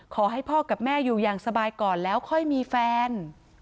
ขอให้พ่อกับแม่อยู่อย่างสบายก่อนแล้วค่อยมีแฟน